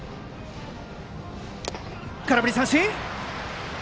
空振り三振。